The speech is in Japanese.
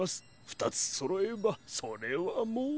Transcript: ふたつそろえばそれはもう。